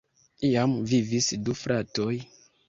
Iam vivis du fratoj.